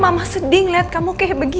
kalau penangkap avez satu kwan